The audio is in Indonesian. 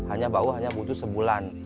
hanya bau hanya butuh sebulan